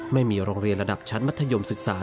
ไม่มีโรงเรียนระดับชั้นมัธยมศึกษา